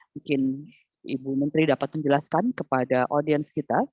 mungkin ibu menteri dapat menjelaskan kepada audiens kita